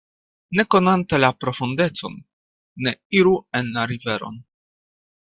Ne konante la profundecon, ne iru en la riveron.